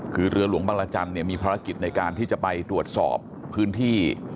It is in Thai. คือเรือหลวงบังรจันทร์มีภารกิจในการที่จะไปตรวจสอบพื้นที่